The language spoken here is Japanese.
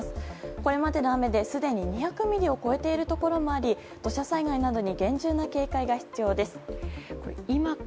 これまでの雨ですでに２００ミリを超えているところもあり土砂災害などに厳重な警戒が必要です。